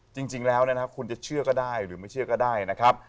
จริงแล้วนะครับคุณจะเชื่อก็ได้หรือไม่เชื่อก็ได้นะครับ